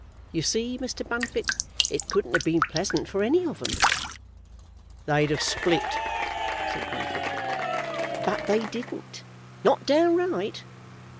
You see, Mr. Bunfit, it couldn't have been pleasant for any of 'em." "They'd've split," said Bunfit. "But they didn't, not downright.